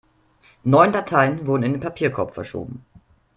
Neun Dateien wurden in den Papierkorb verschoben.